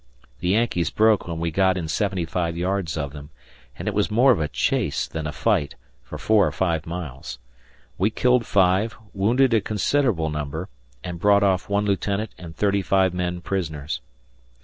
The Yankees broke when we got in 75 yards of them; and it was more of a chase than a fight for 4 or 5 miles. We killed 5, wounded a considerable number, and brought off 1 lieutenant and 35 men prisoners.